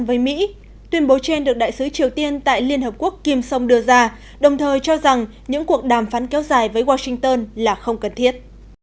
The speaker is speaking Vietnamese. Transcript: với mỹ tuyên bố trên được đại sứ triều tiên tại liên hợp quốc kim song đưa ra đồng thời cho rằng những cuộc đàm phán kéo dài với washington là không cần thiết